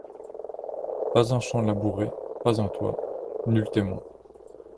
Pas un champ labouré, pas un toit. Nul témoin